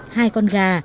hai con gà